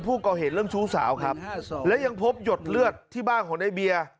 ผู้ก่อเหตุเรื่องชู้สาวครับและยังพบหยดเลือดที่บ้านของในเบียร์